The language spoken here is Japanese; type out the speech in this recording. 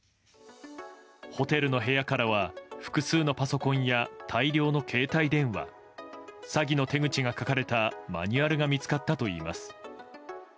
ホテルの部屋からは複数のパソコンや大量の携帯電話詐欺の手口が書かれたマニュアルが見つかったといいます。